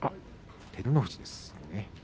照ノ富士です。